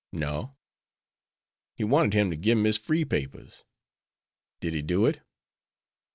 "No." "He wanted him to gib him his free papers." "Did he do it?"